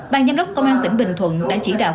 bàn giám đốc công an tỉnh bình thuận đã chỉ đạo